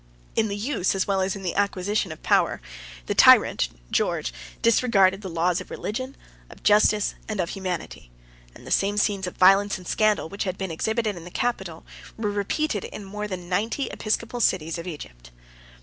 In the use, as well as in the acquisition, of power, the tyrant, George disregarded the laws of religion, of justice, and of humanity; and the same scenes of violence and scandal which had been exhibited in the capital, were repeated in more than ninety episcopal cities of Egypt.